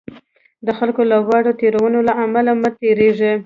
د خلکو له واړو تېروتنو له امله مه تېرېږئ.